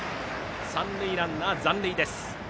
三塁ランナーは残塁です。